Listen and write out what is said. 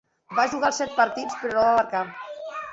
Va jugar els set partits, però no va marcar.